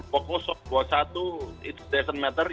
pokoknya soal buat satu itu tidak penting